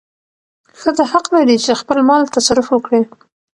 ښځه حق لري چې د خپل مال تصرف وکړي.